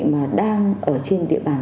mà đang ở trên địa bàn